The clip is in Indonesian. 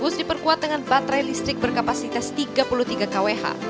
bus diperkuat dengan baterai listrik berkapasitas tiga puluh tiga kwh